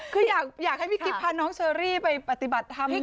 คืออยากให้พี่กิ๊บพาน้องเชอรี่ไปปฏิบัติธรรม